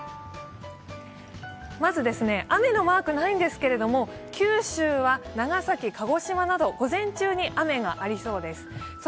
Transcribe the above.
まず雨のマークないんですけど九州は長崎、鹿児島など午前中に雨がありそうです。